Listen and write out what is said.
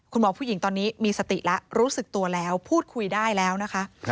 คุณหมอผู้หญิงตอนนี้มีสติแล้วรู้สึกตัวแล้วพูดคุยได้แล้วนะคะ